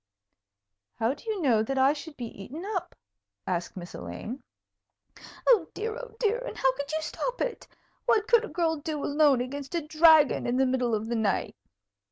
"How do you know that I should be eaten up?" asked Miss Elaine. "Oh, dear! oh, dear! and how could you stop it? What could a girl do alone against a dragon in the middle of the night?"